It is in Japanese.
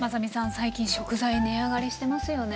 最近食材値上がりしてますよね。